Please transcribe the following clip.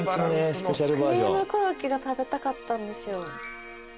クリームコロッケが食べたかったんですよ。